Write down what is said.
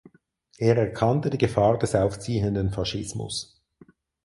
Er erkannte die Gefahr des aufziehenden Faschismus.